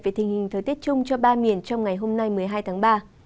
về tình hình thời tiết chung cho ba miền trong ngày hôm nay một mươi hai tháng ba